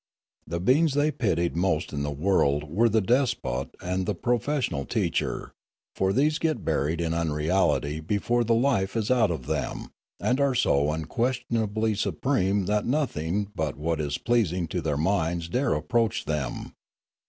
The beings they pitied most in the world were the despot and the pro fessional teacher; for these get buried in unreality be fore the life is out of them, and are so unquestionably supreme that nothing but what is pleasing to their minds dare approach them.